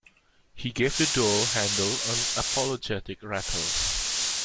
He gave the door handle an apologetic rattle.